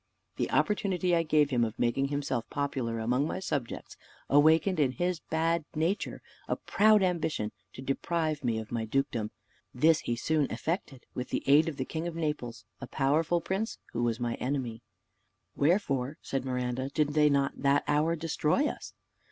The opportunity I gave him of making himself popular among my subjects awakened in his bad nature a proud ambition to deprive me of my dukedom: this he soon effected with the aid of the king of Naples, a powerful prince, who was my enemy." "Wherefore," said Miranda, "did they not that hour destroy us?"